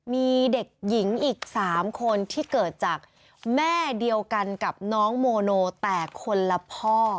มีเด็กหญิงอีก๓คนที่เกิดจากแม่เดียวกันกับน้องโมโนแต่คนละพ่อ